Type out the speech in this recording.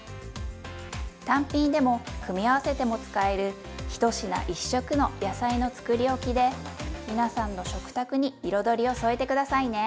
単品でも組み合わせても使える「１品１色の野菜のつくりおき」で皆さんの食卓に彩りを添えて下さいね。